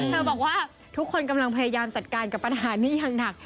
บอกว่าทุกคนกำลังพยายามจัดการกับปัญหานี้อย่างหนัก